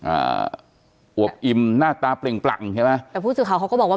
อ่าอวบอิ่มหน้าตาเปล่งปลั่งใช่ไหมแต่ผู้สื่อข่าวเขาก็บอกว่า